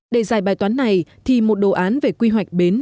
để giải bài toán này thì một đồ án về quy hoạch bến